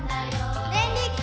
デンリキ！